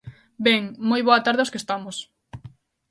Ben, moi boa tarde aos que estamos.